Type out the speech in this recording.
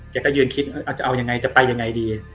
ก็ยืนคิดจะเอายังไงจะไปยังไงดี